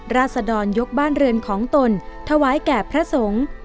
ราศดรยกบ้านเรือนของตนถวายแก่พระสงฆ์